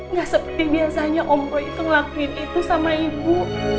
nggak seperti biasanya ompo itu ngelakuin itu sama ibu